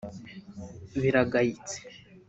biragayitse